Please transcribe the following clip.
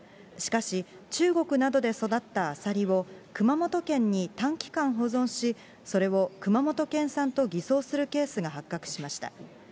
しかし、中国などで育ったアサリを熊本県に短期間保存し、それを熊本県産と偽装するケースが発覚しました。